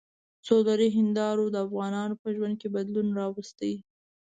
سولري هندارو د افغانانو په ژوند کې بدلون راوستی.